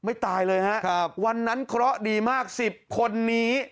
ไม่ตายเลยฮะวันนั้นเคราะห์ดีมาก๑๐คนนี้